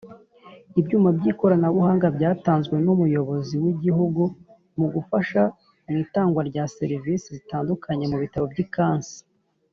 ibyuma by ikoranabuhanga byatanzwe numuyobozi w’igihugu mugufasha mwitangwa rya serivisi zitandukanye mubitaro by’ikansi.